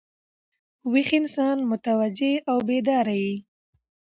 ویښ انسان متوجه او بیداره يي.